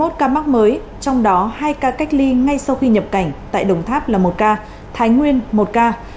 trong đó hai ca cách ly ngay sau khi nhập cảnh tại đồng tháp là một ca thái nguyên một ca